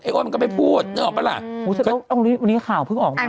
ไอ้โอนมันก็ไม่พูดนึกออกปะล่ะอืมอุ้ยวันนี้ข่าวเพิ่งออกมานะ